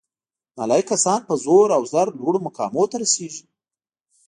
نالایق کسان په زور او زر لوړو مقامونو ته رسیږي